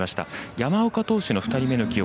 山岡投手の２人目の起用